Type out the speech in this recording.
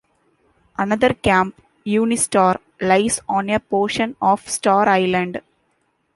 Another camp, UniStar, lies on a portion of Star Island.